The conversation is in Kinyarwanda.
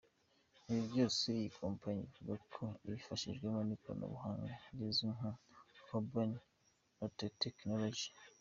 Ibi byose iyi kompanyi ivuga ko ibifashwamo n’ikoranabuhanga rizwi nka “carbon nanotechnology”.